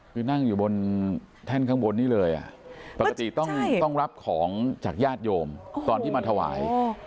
คือนั่งอยู่บนแท่นข้างบนนี้เลยปกติต้องรับของจากญาติโยมตอนที่มาถวาย